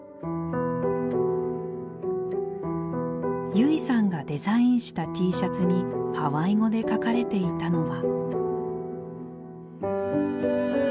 優生さんがデザインしたＴシャツにハワイ語で書かれていたのは。